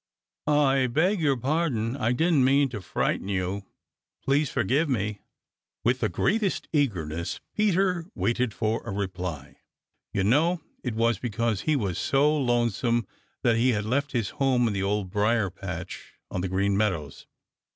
"I beg your pardon. I didn't mean to frighten you. Please forgive me." With the greatest eagerness Peter waited for a reply. You know it was because he had been so lonesome that he had left his home in the dear Old Briar patch on the Green Meadows.